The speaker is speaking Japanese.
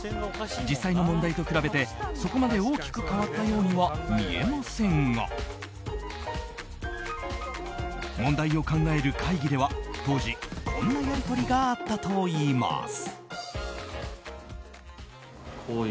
実際の問題と比べてそこまで大きく変わったようには見えませんが問題を考える会議では当時こんなやり取りがあったといいます。